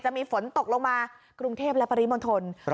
มีฝนตกลงมากรุงเทพและปริมณฑล